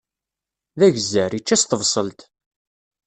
D agezzar, ičča s tebṣelt.